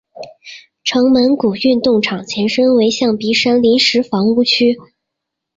城门谷运动场前身为象鼻山临时房屋区。